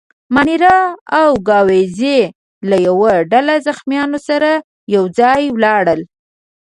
مانیرا او ګاووزي له یوه ډله زخیمانو سره یو ځای ولاړل.